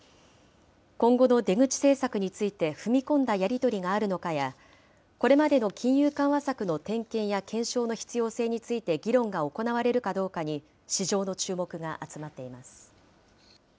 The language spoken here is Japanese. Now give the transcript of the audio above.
今後の出口政策について踏み込んだやり取りがあるのかや、これまでの金融緩和策の点検や検証の必要性について議論が行われるかどうかに市場の注目が集まっています。